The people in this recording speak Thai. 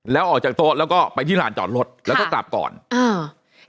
แล้วออกจากโต๊ะแล้วก็ไปที่ลานจอดรถแล้วก็กลับก่อนอ่า